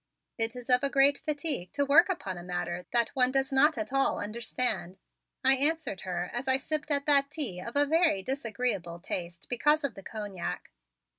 "It is of a great fatigue to work upon a matter that one does not at all understand," I answered her as I sipped at that tea of a very disagreeable taste because of the cognac.